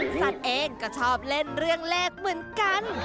สัตว์เองก็ชอบเล่นเรื่องเลขเหมือนกัน